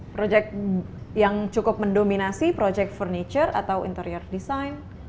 proyek yang cukup mendominasi project furniture atau interior design